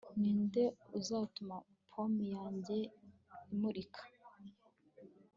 ninde uzatuma pome yanjye imurika